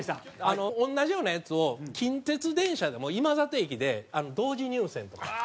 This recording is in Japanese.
同じようなやつを近鉄電車でも今里駅で同時入線とか。